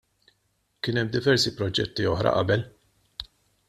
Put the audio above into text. Kien hemm diversi proġetti oħra qabel.